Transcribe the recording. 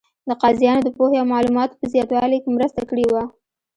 د قاضیانو د پوهې او معلوماتو په زیاتوالي کې مرسته کړې وه.